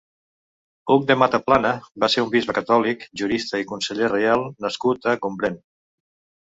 Hug de Mataplana va ser un bisbe catòlic, jurista i conseller reial nascut a Gombrèn.